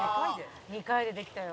「２回でできたよ」